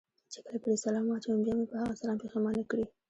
چې کله پرې سلام واچوم، بیا مې په هغه سلام پښېمانه کړي.